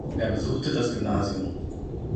Er besuchte das Gymnasium.